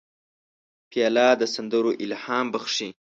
پیاله د سندرو الهام بخښي.